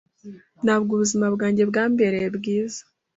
Ntabwo 'ubuzima bwanjye bwambereye bwiza